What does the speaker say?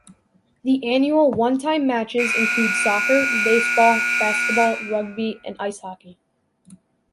The annual one-time matches include soccer, baseball, basketball, rugby, and ice hockey.